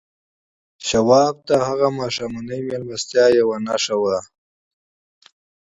شواب ته هغه ماښامنۍ مېلمستیا یوه نښه وه